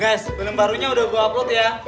guys film barunya udah gue upload ya